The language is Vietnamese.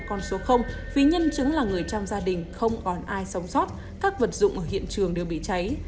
con số vì nhân chứng là người trong gia đình không còn ai sống sót các vật dụng ở hiện trường đều bị cháy